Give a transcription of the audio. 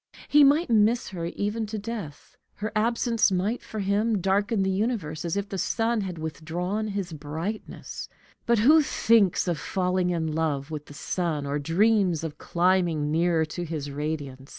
He might miss her even to death; her absence might, for him, darken the universe as if the sun had withdrawn his brightness; but who thinks of falling in love with the sun, or dreams of climbing nearer to his radiance?